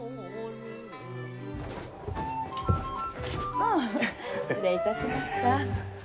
ああ失礼いたしました。